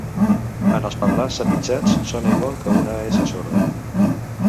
En els parlars apitxats sona igual que una essa sorda.